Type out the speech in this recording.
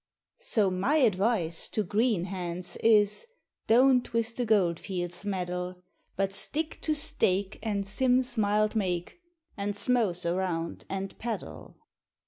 So my advice to Greenhands is Don't with the goldfields meddle; But stick to steak and Simms' mild make! And "Smouse" around and "peddle."